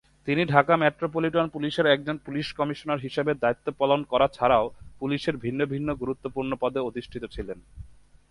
তিনি ঢাকা মেট্রোপলিটন পুলিশের একজন পুলিশ কমিশনার হিসেবে দায়িত্ব পালন করা ছাড়াও পুলিশের ভিন্ন ভিন্ন গুরুত্বপূর্ণ পদে অধিষ্ঠিত ছিলেন।